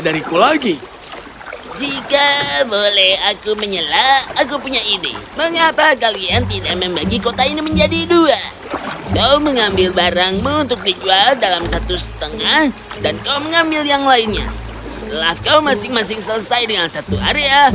setelah kau masing masing selesai dengan satu area